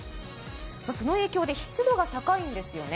その影響で湿度が高いんですよね